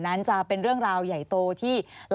อันดับ๖๓๕จัดใช้วิจิตร